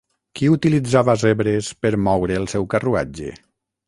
Qui utilitzava zebres per moure el seu carruatge?